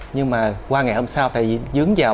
nhưng mà qua ngày hôm sau thì dướng vào